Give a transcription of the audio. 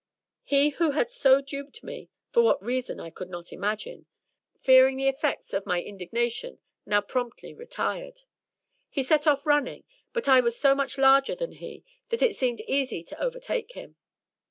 He who had so duped me (for what reason I could not imagine), fearing the effects of my indignation, now promptly retired. He set off running; but I was so much larger than he that it seemed easy to overtake him.